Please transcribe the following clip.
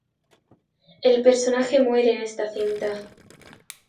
El personaje muere en esta cinta.